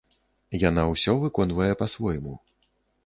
Яна ўсё выконвае па-свойму.